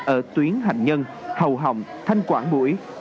ở tuyến hành nhân hầu hồng thanh quảng bụi